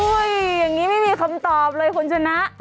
อย่างนี้ไม่มีคำตอบเลยคุณชนะ